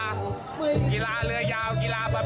กีฬาเรือยาวกีฬาประเภท